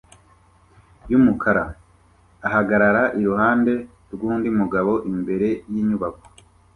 yumukara ahagarara iruhande rwundi mugabo imbere yinyubako